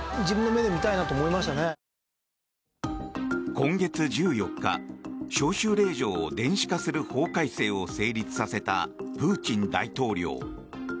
今月１４日招集令状を電子化する法改正を成立させたプーチン大統領。